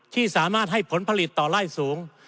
ที่สามารถให้ผลผลิตต่อไล่สูง